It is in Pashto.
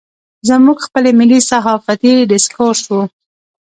زموږ خپل ملي صحافتي ډسکورس و.